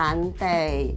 kan berenangnya santai